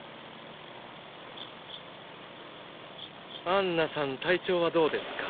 アンナさん体調はどうですか？